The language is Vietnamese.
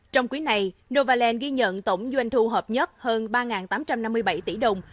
trong quý này novaland ghi nhận tổng doanh thu hợp nhất hơn ba tám trăm năm mươi bảy tỷ đồng